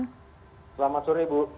selamat sore ibu